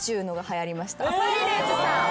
パイレーツさん。